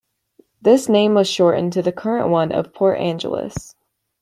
This name was shortened to the current one of Port Angeles.